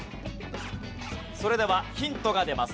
それではヒントが出ます。